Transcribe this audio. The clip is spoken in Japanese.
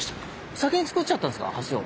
先に造っちゃったんですか橋を。